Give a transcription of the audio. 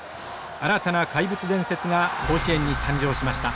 新たな怪物伝説が甲子園に誕生しました。